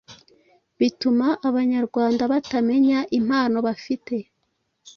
Bituma abanyarwanda batamenya impano bafite